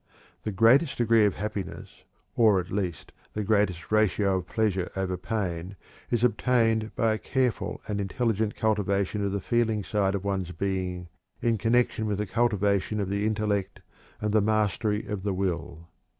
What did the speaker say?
The greatest degree of happiness, or at least the greatest ratio of pleasure over pain, is obtained by a careful and intelligent cultivation of the feeling side of one's being in connection with the cultivation of the intellect and the mastery of the will.